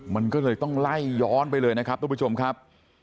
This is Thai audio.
มันก็เลยต้องไล่ย้อนไปเลยนะครับทุกผู้ชมครับ